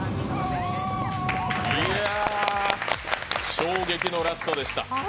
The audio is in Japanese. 衝撃のラストでした。